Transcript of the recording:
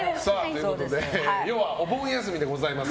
要はお盆休みでございます。